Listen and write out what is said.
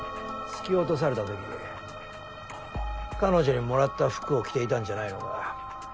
突き落とされた時彼女にもらった服を着ていたんじゃないのか？